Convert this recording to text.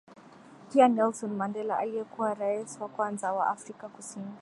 Pia Nelson Mandela aliyekuwa raisi wa kwanza wa Afrika Kusini